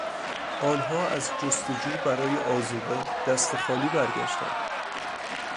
آنها از جستجو برای آذوقه دست خالی برگشتند.